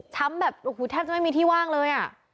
ช้ำแบบแทบจะไม่มีที่ว่างเลยอ่ะ